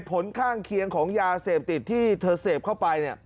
ผลข้างเคียงของยาเสพติดที่เธอเสพเข้าไป